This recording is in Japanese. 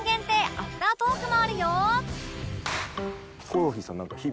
アフタートークもあるよ！